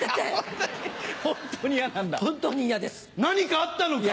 何かあったのか？